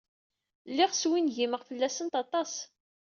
Lliɣ swingimeɣ fell-awent aṭas.